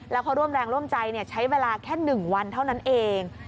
แล้วเขาร่วมแรงร่วมใจใช้เวลาแค่๑วันเท่านั้นเอง